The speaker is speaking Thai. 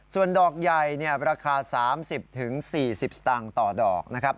ส่วนดอกใหญ่ราคา๓๐๔๐สตางค์ต่อดอกนะครับ